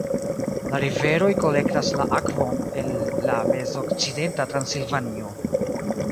La riveroj kolektas la akvon el la Mez-Okcidenta Transilvanio.